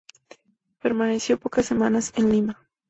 Permaneció pocas semanas en Lima.